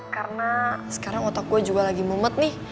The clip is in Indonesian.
karena sekarang otak gue juga lagi memet nih